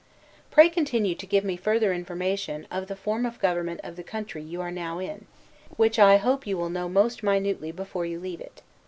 Pray continue to give me further information of the form of government of the country you are now in; which I hope you will know most minutely before you leave it.